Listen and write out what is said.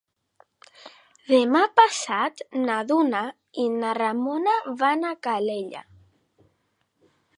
Demà passat na Duna i na Ramona van a Calella.